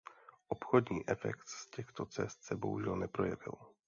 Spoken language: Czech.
Obchodní efekt z těchto cest se bohužel neprojevil.